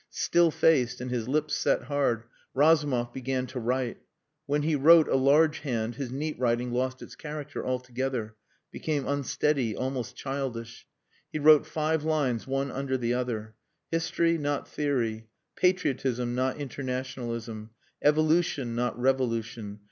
Still faced and his lips set hard, Razumov began to write. When he wrote a large hand his neat writing lost its character altogether became unsteady, almost childish. He wrote five lines one under the other. History not Theory. Patriotism not Internationalism. Evolution not Revolution.